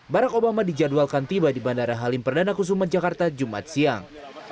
barack obama dijadwalkan tiba di bandara halim perdana kusuma jakarta jumat siang